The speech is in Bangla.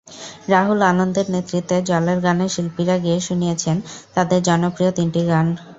রাহুল আনন্দের নেতৃত্বে জলের গানের শিল্পীরা গেয়ে শুনিয়েছেন তাঁদের জনপ্রিয় তিনটি গান।